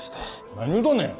何言うとんねん！